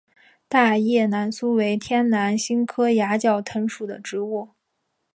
大叶南苏为天南星科崖角藤属的植物。